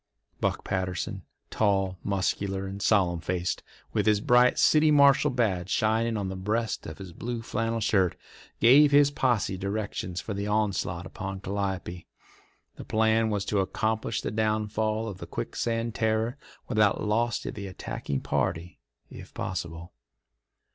Buck Patterson, tall, muscular, and solemn faced, with his bright "City Marshal" badge shining on the breast of his blue flannel shirt, gave his posse directions for the onslaught upon Calliope. The plan was to accomplish the downfall of the Quicksand Terror without loss to the attacking party, if possible.